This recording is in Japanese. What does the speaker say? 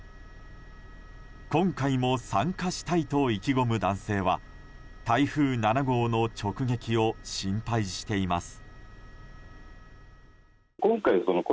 今回も参加したいと意気込む男性は台風７号の直撃を心配しています。